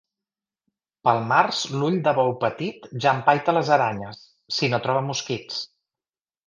Pel març l'ull de bou petit ja empaita les aranyes, si no troba mosquits.